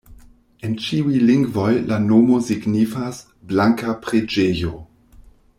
En ĉiuj lingvoj la nomo signifas: blanka preĝejo.